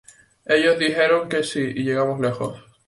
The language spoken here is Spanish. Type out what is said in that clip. Ellos dijeron que si y llegamos lejos".